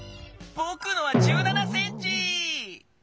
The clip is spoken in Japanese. ぼくのは１７センチ！